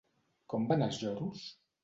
¿Com van els lloros?